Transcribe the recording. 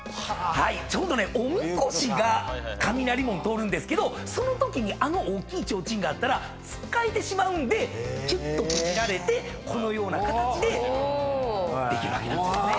ちょうどねおみこしが雷門通るんですけどそのときにあの大きい提灯があったら突っかえてしまうんできゅっと閉じられてこのような形でできるわけなんですね。